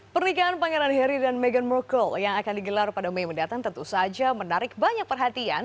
pernikahan pangeran harry dan meghan markle yang akan digelar pada mei mendatang tentu saja menarik banyak perhatian